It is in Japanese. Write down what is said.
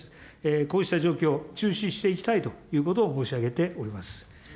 こうした状況、注視していきたいということを申し上げております。